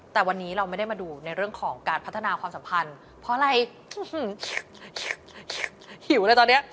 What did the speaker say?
แต่วันนี้เราไม่ได้มาดูในเรื่องของการพัฒนาความสัมพันธ์เพราะอะไรหิวเลยตอนนี้